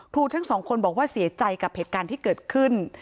ทั้งสองคนบอกว่าเสียใจกับเหตุการณ์ที่เกิดขึ้น